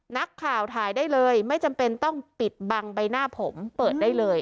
นักข่าวถ่ายได้เลยไม่จำเป็นต้องปิดบังใบหน้าผมเปิดได้เลย